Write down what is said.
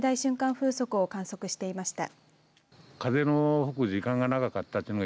風速を観測していました。